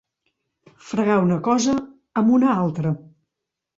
Fregar una cosa amb una altra.